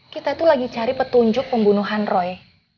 kita itu lagi cari petunjuk pembunuhan roy